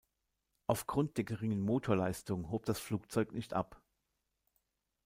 Aufgrund der geringen Motorleistung hob das Flugzeug nicht ab.